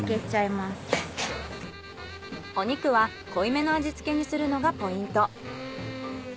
お肉は濃い目の味付けにするのがポイント。